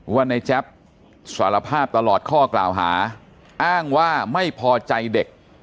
ว่าในแจ๊บสารภาพตลอดข้อกล่าวหาอ้างว่าไม่พอใจเด็ก